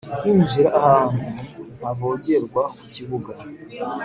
kwinjira ahantu ntavogerwa ku kibuga.